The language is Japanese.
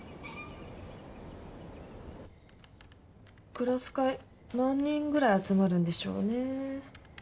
クラス会何人ぐらい集まるんでしょうね。